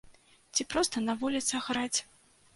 Ці проста на вуліцах граць.